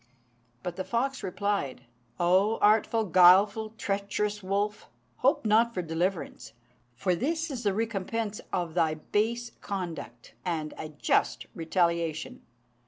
But the fox replied, "O artful, guileful, treacherous wolf! hope not for deliverance; for this is the recompense of thy base conduct, and a just retaliation."